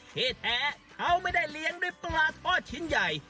ที่แท้เขาไม่ได้เลี้ยงด้วยปลาทอดชิ้นใหญ่